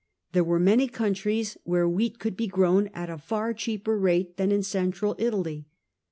There were many countries where wheat could be grown at a far cheaper rate than in Central Italy.